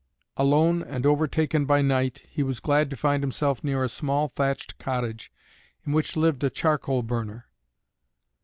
Alone and overtaken by night, he was glad to find himself near a small thatched cottage in which lived a charcoal burner.